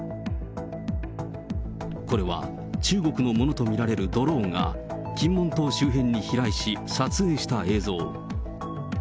これは中国のものと見られるドローンが、金門島周辺に飛来し、撮影した映像。